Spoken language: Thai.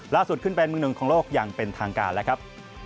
ล่าสุดขึ้นเป็นมือหนึ่งของโลกอย่างเป็นทางการแล้วครับ